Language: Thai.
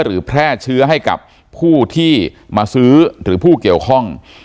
แพร่เชื้อให้กับผู้ที่มาซื้อหรือผู้เกี่ยวข้อง